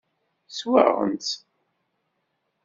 Swaɣent-t.